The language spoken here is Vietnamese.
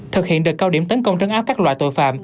thực hiện đợt cao điểm tấn công trấn áp các loại tội phạm